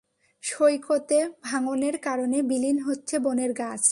সৈকতে ভাঙনের কারণে বিলীন হচ্ছে বনের গাছ।